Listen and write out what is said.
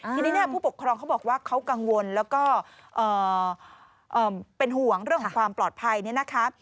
ทีนี้ผู้ปกครองเขาบอกว่าเขากังวลแล้วก็เป็นห่วงเรื่องของความปลอดภัยเนี่ยนะคะ